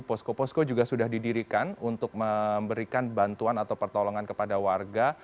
posko posko juga sudah didirikan untuk memberikan bantuan atau pertolongan kepada warga